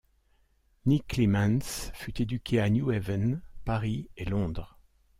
Nick Clements fut éduqué à New Haven, Paris et Londres.